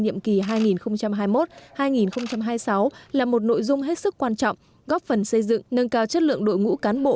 nhiệm kỳ hai nghìn hai mươi một hai nghìn hai mươi sáu là một nội dung hết sức quan trọng góp phần xây dựng nâng cao chất lượng đội ngũ cán bộ